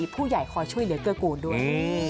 ผู้ใหญ่คอยช่วยเหลือกลือกูลด้วย